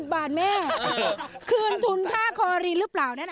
๕๐บาทแม่คืนทุนค่าคหารีหรือเปล่า